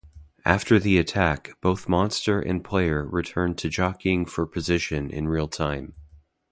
After the attack, both monster and player return to jockeying for position in realtime.